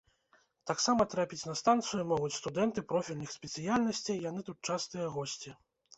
Таксама трапіць на станцыю могуць студэнты профільных спецыяльнасцей, яны тут частыя госці.